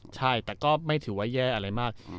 ใช่แต่ก็ไม่ถือว่าแย่อะไรมาก